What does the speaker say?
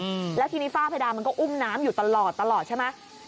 อืมแล้วทีนี้ฝ้าเพดานมันก็อุ้มน้ำอยู่ตลอดตลอดใช่ไหม